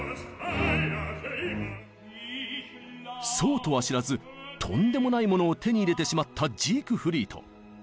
そうとは知らずとんでもないものを手に入れてしまったジークフリート。